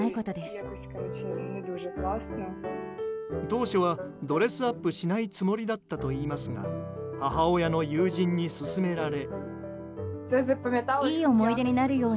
当初はドレスアップしないつもりだったといいますが母親の友人に勧められ。